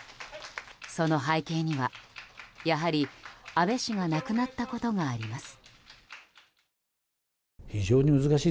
その背景にはやはり安倍氏が亡くなったことがあります。